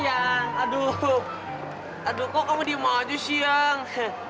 ayah aduh aduh kok kamu dimajus siang